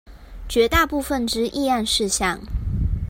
絕大部分之議案事項